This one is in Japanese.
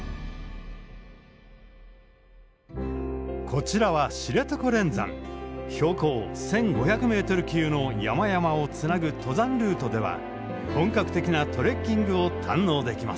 こちらは標高１，５００ｍ級の山々をつなぐ登山ルートでは本格的なトレッキングを堪能できます。